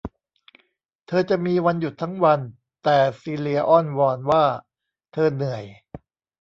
เธอจะมีวันหยุดทั้งวัน แต่ซีเลียอ้อนวอนว่าเธอเหนื่อย